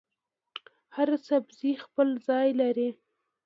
هر سبزي خپل ځای لري.